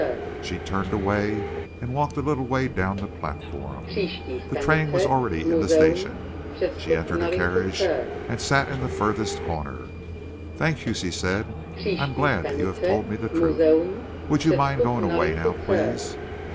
She turned away, and walked a little way down the platform. The train was already in the station. She entered a carriage and sat in the furthest corner. "Thank you," she said. "I am glad that you have told me the truth. Would you mind going away now, please?"